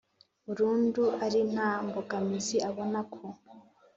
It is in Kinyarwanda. burundu ari nta mbogamizi abona ku